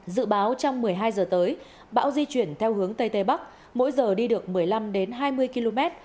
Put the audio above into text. dự báo trong một mươi hai giờ tới bão di chuyển theo hướng tây tây bắc mỗi giờ đi được một mươi năm hai mươi km